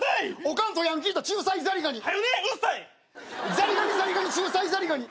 ザリガニザリガニ仲裁ザリガニ。